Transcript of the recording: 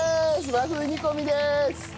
和風煮込みです。